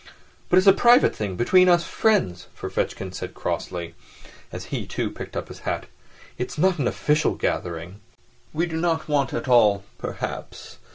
"But it's a private thing, between us friends," Ferfitchkin said crossly, as he, too, picked up his hat. "It's not an official gathering." "We do not want at all, perhaps